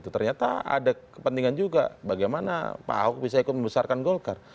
ternyata ada kepentingan juga bagaimana pak ahok bisa ikut membesarkan golkar